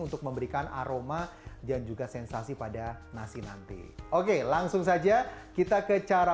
untuk memberikan aroma dan juga sensasi pada nasi nanti oke langsung saja kita ke cara